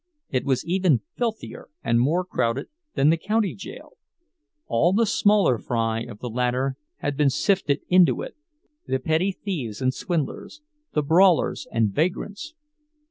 It was even filthier and more crowded than the county jail; all the smaller fry out of the latter had been sifted into it—the petty thieves and swindlers, the brawlers and vagrants.